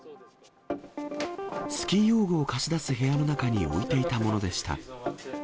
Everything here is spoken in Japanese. スキー用具を貸し出す部屋の中に置いていたものでした。